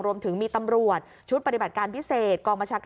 รวมถึงมีตำรวจชุดปฏิบัติการพิเศษ